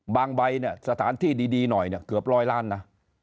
ใบเนี่ยสถานที่ดีหน่อยเนี่ยเกือบร้อยล้านนะ